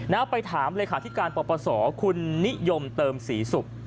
แล้วไปถามเลยค่าที่การปปศคุณนิยมเติมศรีสุข